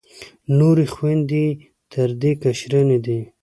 نورې خویندې یې تر دې کشرانې دي.